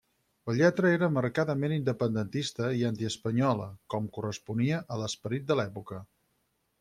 La lletra era marcadament independentista i antiespanyola, com corresponia a l'esperit de l'època.